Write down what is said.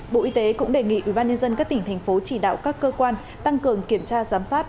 bộ y tế cũng đề nghị ubnd các tỉnh thành phố chỉ đạo các cơ quan tăng cường kiểm tra giám sát